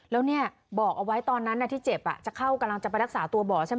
แล้วเนี่ยบอกเอาไว้ตอนนั้นที่เจ็บจะเข้ากำลังจะไปรักษาตัวบ่อใช่ไหม